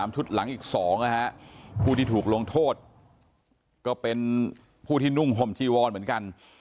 ชุดหลังอีก๒นะฮะผู้ที่ถูกลงโทษก็เป็นผู้ที่นุ่งห่มจีวอนเหมือนกัน